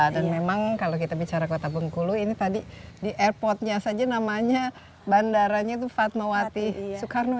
dan memang kalau kita bicara kota bengkulu ini tadi di airportnya saja namanya bandaranya itu fatmawati soekarno